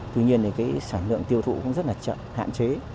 tuy nhiên thì cái sản lượng tiêu thụ cũng rất là chậm hạn chế